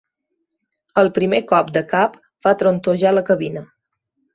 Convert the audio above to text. El primer cop de cap fa trontollar la cabina.